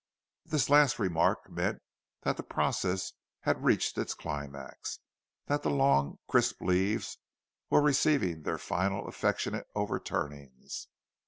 This last remark meant that the process had reached its climax—that the long, crisp leaves were receiving their final affectionate overturnings.